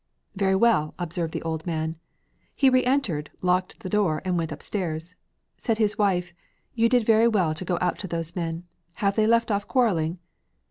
'Very well,' observed the old man. He reëntered, locked the door, and went upstairs. Said his wife: 'You did very well to go out to those men. Have they left off quarrelling?'